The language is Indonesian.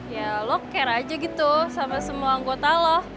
ya lo care aja gitu sama semua anggota loh